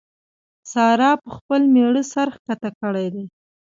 سارا پر خپل مېړه سر کښته کړی دی.